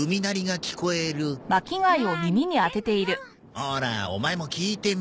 ほらオマエも聞いてみ。